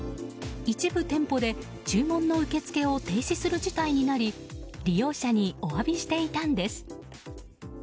一部店舗で注文の受け付けを停止する事態になり利用者にお詫びしていたんです。